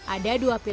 ada dua pilihan